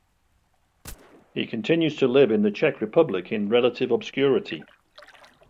He continues to live in the Czech Republic in relative obscurity.